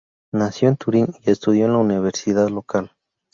Nació en Turín y estudió en la universidad local.